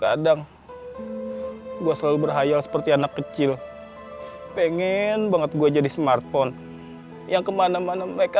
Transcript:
kadang gue selalu berhayal seperti anak kecil pengen banget gue jadi smartphone yang kemana mana mereka